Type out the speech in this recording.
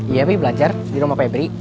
iya fi belajar di rumah febri